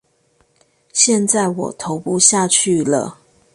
現在我投不下去了